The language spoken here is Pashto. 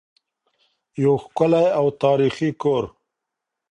یو ښکلی او تاریخي کور.